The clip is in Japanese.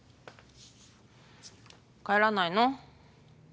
帰らないの？